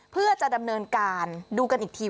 เพื่อจะดำเนินการดูกันอีกที